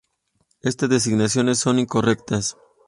Estas designaciones son incorrectas.